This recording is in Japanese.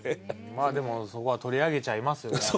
まあでもそこは取り上げちゃいますよね。